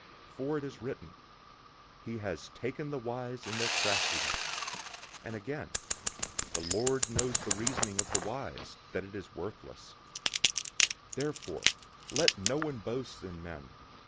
For it is written, "He has taken the wise in their craftiness."{Job 5:13} 003:020 And again, "The Lord knows the reasoning of the wise, that it is worthless."{Psalm 94:11} 003:021 Therefore let no one boast in men.